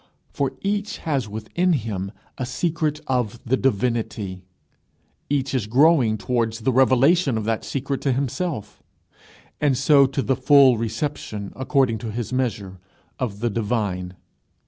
For each has within him a secret of the Divinity; each is growing towards the revelation of that secret to himself, and so to the full reception, according to his measure, of the divine.